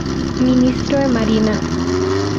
Ministro de Marina.